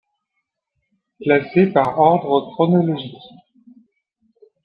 Classés par ordre chronologique.